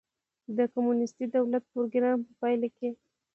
د کمونېستي دولت پروګرام په پایله کې.